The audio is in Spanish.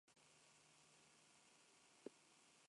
El aparato reproductor masculino se localiza en el prosoma.